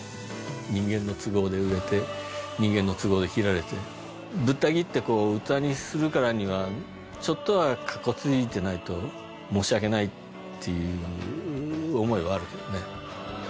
人間の都合で植えて人間の都合で切られてぶった切ってこう器にするからにはちょっとは格好ついてないと申し訳ないっていう思いはあるよね。